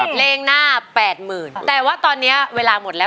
เพลงหน้า๘๐๐๐แต่ว่าตอนนี้เวลาหมดแล้ว